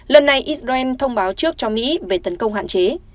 lần này israel thông báo trước cho mỹ về tấn công hạn chế